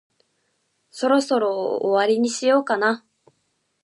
そろそろ終わりにしようかな。